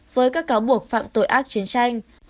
với các cáo buộc phạm tội ác chiến tranh